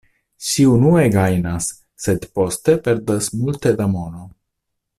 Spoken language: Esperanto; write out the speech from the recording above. Ŝi unue gajnas, sed poste perdas multe da mono.